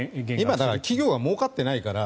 今、企業がもうかってないから